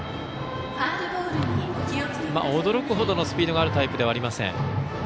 驚くほどのスピードがあるタイプではありません。